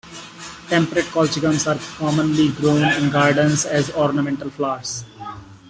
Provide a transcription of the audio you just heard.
Temperate colchicums are commonly grown in gardens as ornamental flowers.